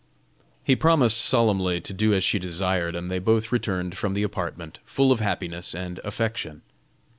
He promised solemnly to do as she desired, and they both returned from the apartment, full of happiness and affection.